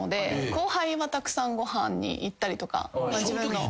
後輩はたくさんご飯に行ったりとか自分の。